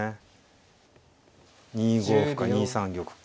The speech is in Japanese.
２五歩か２三玉か。